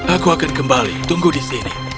aku akan kembali tunggu di sini